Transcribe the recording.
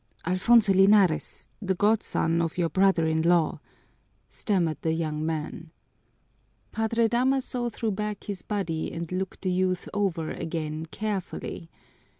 "Alfonso Linares, the godson of your brother in law," stammered the young man. Padre Damaso threw back his body and looked the youth over again carefully.